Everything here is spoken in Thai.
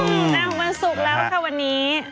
อืมแรงของมันสุกแล้วค่ะวันนี้